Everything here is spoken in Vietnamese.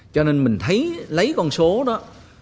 cho nên mình thấy lấy con số đó